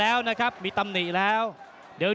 ฝ่ายทั้งเมืองนี้มันตีโต้หรืออีโต้